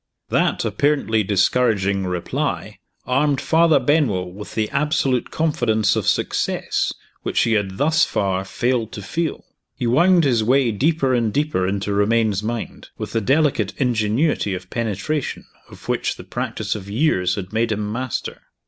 That apparently discouraging reply armed Father Benwell with the absolute confidence of success which he had thus far failed to feel. He wound his way deeper and deeper into Romayne's mind, with the delicate ingenuity of penetration, of which the practice of years had made him master.